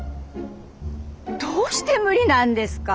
どうして無理なんですか？